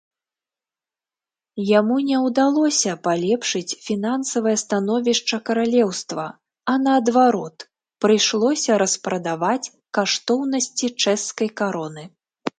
Яму не ўдалося палепшыць фінансавае становішча каралеўства, а наадварот, прыйшлося распрадаваць каштоўнасці чэшскай кароны.